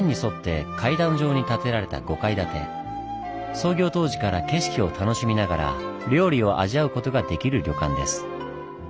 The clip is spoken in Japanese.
創業当時から景色を楽しみながら料理を味わうことができる旅館です。